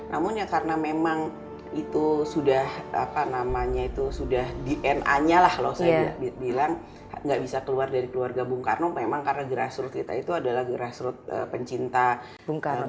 namun ya karena memang itu sudah apa namanya itu sudah dna nya lah saya bilang nggak bisa keluar dari keluarga bung karno memang karena grassroot kita itu adalah grassroot pencinta bung karno